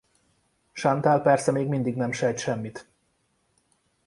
Chantal persze még mindig nem sejt semmit.